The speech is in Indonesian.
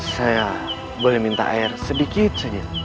saya boleh minta air sedikit saja